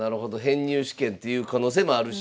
編入試験っていう可能性もあるし。